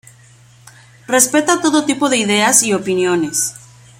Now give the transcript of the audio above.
Respeta todo tipo de ideas y opiniones.